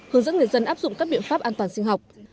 hướng dẫn người dân áp dụng các biện pháp an toàn sinh học